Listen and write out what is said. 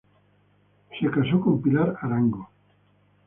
Casó con Pilar Arango.